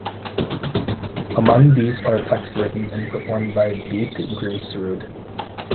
Among these are text written and performed by Beate Grimsrud.